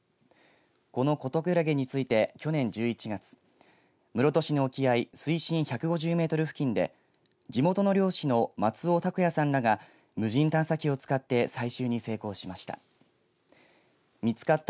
このコトクラゲについて去年１１月室戸市の沖合水深１５０メートル付近で地元の漁師の松尾拓哉さんらが無人探査機を使って採集に成功しました。